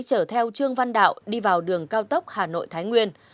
chở theo trương văn đạo đi vào đường cao tốc hà nội thái nguyên